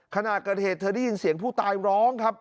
ขณะเกิดเหตุเธอได้ยินเสียงผู้ตายร้องครับ